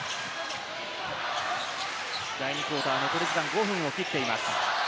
第２クオーター、残り時間５分を切っています。